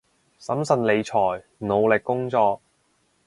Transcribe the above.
審慎理財，努力工作